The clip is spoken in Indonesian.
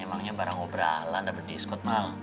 emangnya barang obralan dapat diskon mal